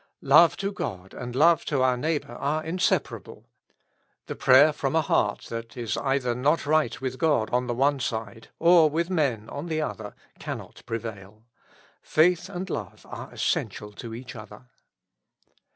Love to God and love to our neighbor are inseparable ; the prayer from a heart, that is either not right with God on the one side, or with men on the other, cannot prevail. Faith and love are essen tial to each other.